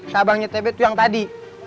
seabangnya tebe tuh yang tadi